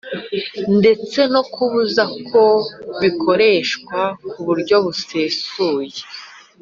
ndetse no kubuza ko bikoreshwa ku buryo busesuye